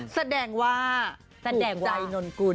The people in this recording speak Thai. แสดงว่ากลุ่มใจนนกุล